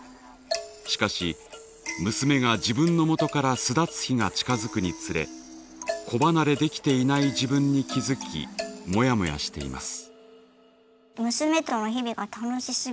しかし娘が自分の元から巣立つ日が近づくにつれ子離れできていない自分に気付きモヤモヤしています。